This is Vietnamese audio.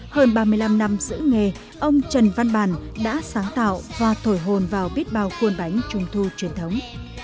hơn ba mươi năm năm giữ nghề ông trần văn bàn đã sáng tạo và thổi hồn vào biết bao khuôn bánh trung thu truyền thống